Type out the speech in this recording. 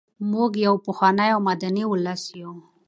موږ یو پخوانی او مدني ولس یو.